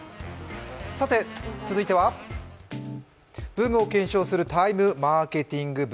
さて、続いてはブームを検証する「ＴＩＭＥマーケティング部」